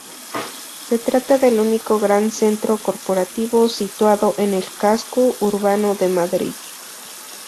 Se trata del único gran centro corporativo situado en el casco urbano de Madrid.